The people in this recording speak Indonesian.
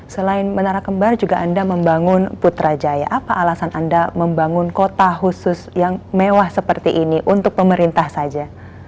selain menara kembar juga anda membangun putrajaya apa alasan anda membangun kota khusus yang mewah seperti ini untuk pemerintah saja